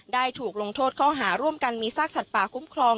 ได้ถูกลงโทษข้อหาร่วมกันมีซากสัตว์ป่าคุ้มครอง